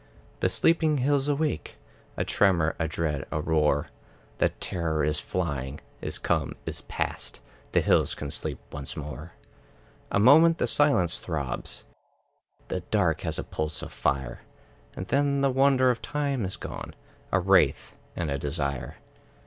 The sleeping hills awake; A tremor, a dread, a roar; The terror is flying, is come, is past; The hills can sleep once more. A moment the silence throbs, The dark has a pulse of fire; And then the wonder of time is gone, A wraith and a desire.